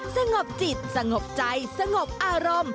สงบจิตสงบใจสงบอารมณ์